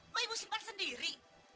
mau ibu simpan sendiri